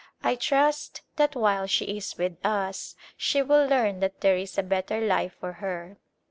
I trust that while she is with us she will learn that there is a better life for her.